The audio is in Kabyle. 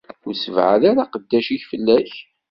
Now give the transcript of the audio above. Ur ssebɛad ara aqeddac-ik fell-ak.